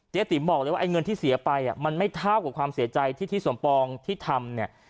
ติ๋มบอกเลยว่าไอ้เงินที่เสียไปมันไม่เท่ากับความเสียใจที่ทิศสมปองที่ทำเนี่ย